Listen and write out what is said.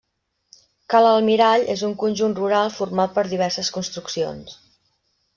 Ca l'Almirall és un conjunt rural format per diverses construccions.